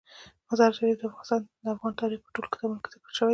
مزارشریف د افغان تاریخ په ټولو کتابونو کې ذکر شوی دی.